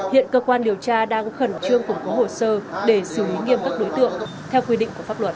hiện cơ quan điều tra đang khẩn trương củng cố hồ sơ để xử lý nghiêm các đối tượng theo quy định của pháp luật